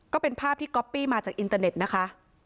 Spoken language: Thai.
ก็เป็นภาพที่ก๊อปปี้มาจากอินเตอร์เน็ตนะคะ